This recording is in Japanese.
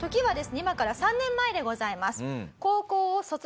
今から３年前でございます。